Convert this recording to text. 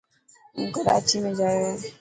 هون ڪراچي ۾ جايو هي.